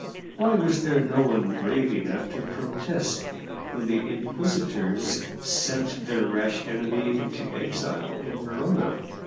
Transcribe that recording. Why was there no one brave enough to protest when the Inquisitors sent German Mystery Stories their rash enemy into exile in Verona